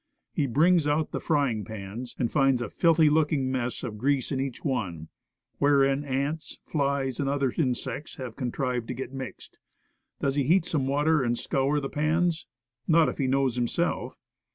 He brings out the frying pans and finds a filthy looking mess of grease in each one, wherein ants, flies, and other insects have contrived to get mixed. Does he heat some water, and clean and scour the pans? Not if he knows himself.